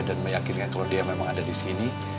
dan meyakinkan kalau dia memang ada disini